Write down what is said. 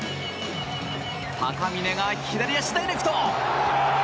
高嶺が左足ダイレクト！